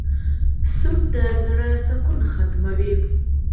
سود د زړه سکون ختموي.